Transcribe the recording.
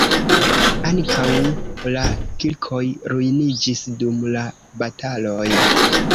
Ankaŭ la kirkoj ruiniĝis dum la bataloj.